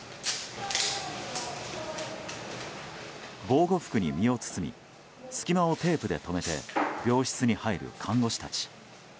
防護服に身を包み隙間をテープで止めて病室に入る看護師たち。